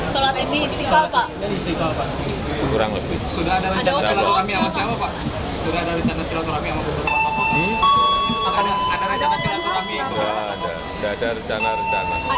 sholat id di istiqlal pak